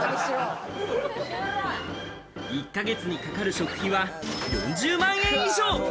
１か月にかかる食費は４０万円以上。